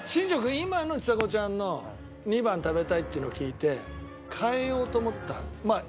今のちさ子ちゃんの２番食べたいっていうのを聞いて変えようと思った？